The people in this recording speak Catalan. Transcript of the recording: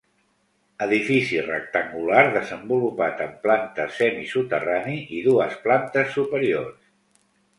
Edifici rectangular desenvolupat en planta semisoterrani i dues plantes superiors.